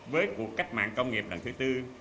với cuộc cách mạng công nghiệp lần thứ tư